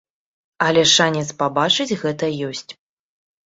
Але шанец пабачыць гэта ёсць.